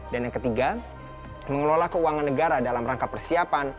dan yang ketiga mengelola keuangan negara dalam rangka persiapan